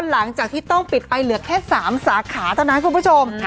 หลังจากที่ต้องปิดไปเหลือแค่๓สาขาเท่านั้นคุณผู้ชม